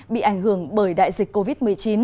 bị ảnh hưởng bởi đại dịch covid một mươi chín